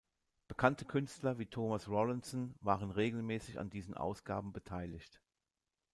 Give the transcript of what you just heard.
Bekannte Künstler wie Thomas Rowlandson waren regelmäßig an diesen Ausgaben beteiligt.